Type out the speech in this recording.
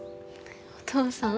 お父さん？